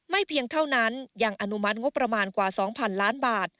เพียงเท่านั้นยังอนุมัติงบประมาณกว่า๒๐๐๐ล้านบาท